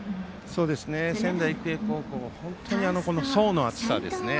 仙台育英高校は層の厚さですね。